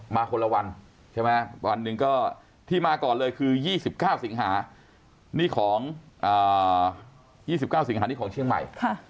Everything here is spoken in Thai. มาคนละวันใช่ไหมวันหนึ่งก็ที่มาก่อนเลยคือ๒๙สิงหานี่ของเชียงใหม่